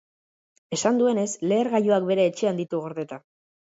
Esan duenez, lehergailuak bere etxean ditu gordeta.